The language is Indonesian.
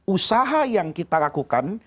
usaha yang kita lakukan